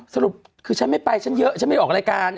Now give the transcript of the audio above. สรุปคือฉันไม่ไปฉันเยอะฉันไม่ออกรายการ